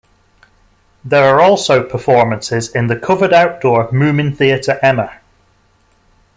There are also performances in the covered outdoor Moomin Theatre Emma.